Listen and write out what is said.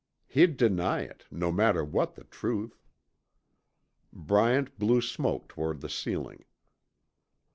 He'd deny it, no matter what the truth. Bryant blew smoke toward the ceiling.